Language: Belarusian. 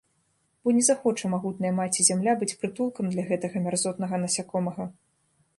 Бо не захоча магутная Маці-Зямля быць прытулкам для гэтага мярзотнага насякомага.